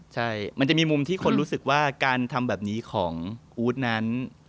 ใช่มันจะมีมุมที่คนรู้สึกว่าการทำแบบนี้ของอู๊ดนั้น